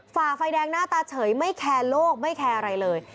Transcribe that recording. ฝ่าไฟแดงหน้าตาเฉยไม่แคร์โลกไม่แคร์อะไรเลย